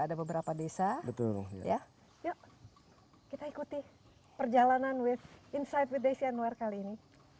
ada beberapa desa betul ya yuk kita ikuti perjalanan with inside with desian war kali ini